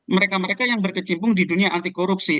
mereka mereka yang berkecimpung di dunia anti korupsi